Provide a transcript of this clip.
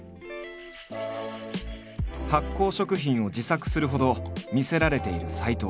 発酵食品を自作するほど魅せられている斎藤。